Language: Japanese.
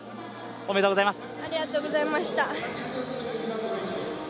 おめでとうございます。